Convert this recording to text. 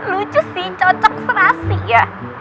lucu sih cocok serasi ya